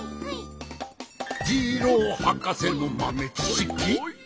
「ジローはかせのまめちしき」